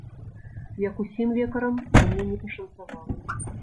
Як усім лекарам, мне не пашанцавала.